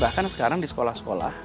bahkan sekarang di sekolah sekolah